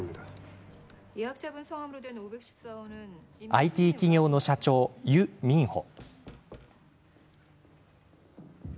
ＩＴ企業の社長ユ・ミンホ。